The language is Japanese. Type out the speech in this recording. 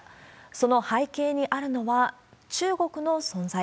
その背景にあるのは、中国の存在。